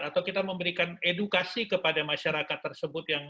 atau kita memberikan edukasi kepada masyarakat tersebut